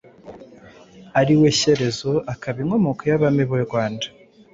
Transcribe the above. ari we Shyerezo, akaba inkomoko y'Abami b'u Rwanda.